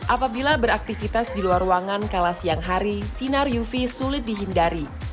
apabila beraktivitas di luar ruangan kala siang hari sinar uv sulit dihindari